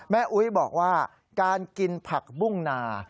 อุ๊ยบอกว่าการกินผักบุ้งนา